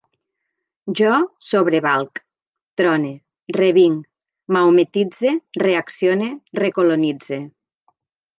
Jo sobrevalc, trone, revinc, mahometitze, reaccione, recolonitze